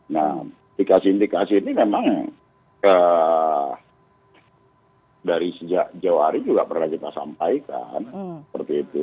nah indikasi indikasi ini memang dari sejak jauh hari juga pernah kita sampaikan seperti itu